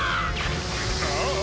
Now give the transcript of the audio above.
ああ。